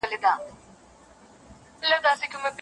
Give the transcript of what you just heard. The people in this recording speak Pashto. ملیاره ړوند یې که په پښو شل یې